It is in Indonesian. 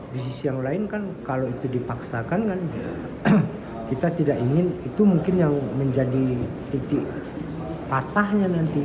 pengalaman yang lain kalau dipaksakan kita tidak ingin itu mungkin yang menjadi titik patahnya nanti